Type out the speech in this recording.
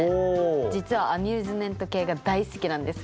実はアミューズメント系が大好きなんですよ。